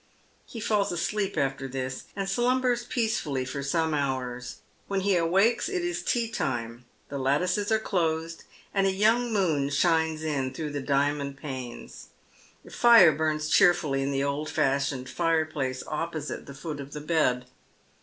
He falls asleep after this, and slumbers peacefully for some hours. When he awakes it is tea time, the lattices are closed, and a young moon shines in through the diamond panes. A fire bums cheerfully in the old fashioned fireplace opposite the foot of the bed.